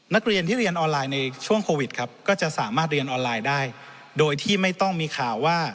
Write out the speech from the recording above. นักเรียนที่เรียนออนไลน์ในช่วงโควิดครับก็จะสามารถเรียนออนไลน์ได้โดยที่ไม่ต้องมีข่าวว่า